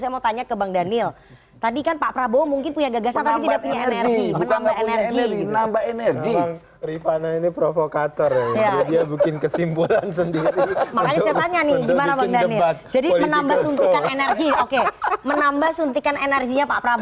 menambah suntikan energi